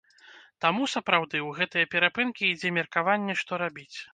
Таму, сапраўды, у гэтыя перапынкі ідзе меркаванне, што рабіць.